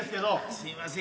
すみません